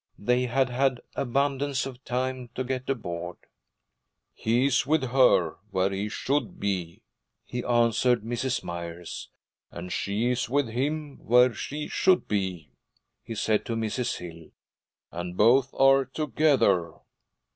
They had had abundance of time to get aboard. 'He is with her, where he should be,' he answered Mrs. Myers, 'and she is with him, where she should be,' he said to Mrs. Hill, 'and both are together.'